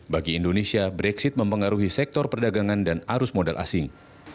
bagi indonesia brexit mempengaruhi sektor perdagangan dan arus modal asing